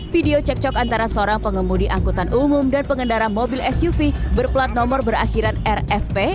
video cekcok antara seorang pengemudi angkutan umum dan pengendara mobil suv berplat nomor berakhiran rfp